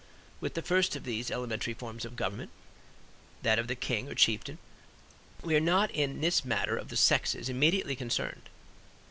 With the first of these elementary forms of government, that of the king or chieftain, we are not in this matter of the sexes immediately concerned.